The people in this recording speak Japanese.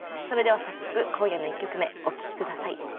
それでは早速今夜の１曲目お聴き下さい。